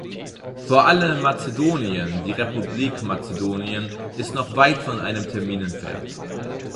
Vor allem Mazedonien, die Republik Mazedonien, ist noch weit von einem Termin entfernt.